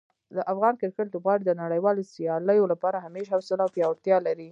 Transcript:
د افغان کرکټ لوبغاړي د نړیوالو سیالیو لپاره همیش حوصله او پیاوړتیا لري.